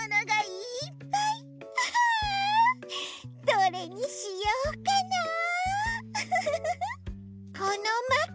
どれにしようかなあ？